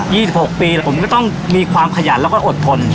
๒๖ปีผมก็ต้องมีความขยันแล้วก็อดทน